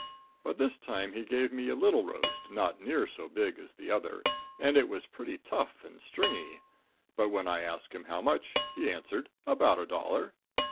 But this time he gave me a little roast, not near so big as the other, and it was pretty tough and stringy. But when I asked him how much, he answered "about a dollar."